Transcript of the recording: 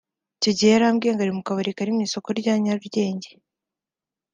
icyo gihe yarambwiye ngo ari mu kabari kari mu isoko rya Nyarugenge